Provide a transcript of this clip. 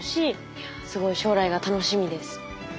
いやすごい将来が楽しみです。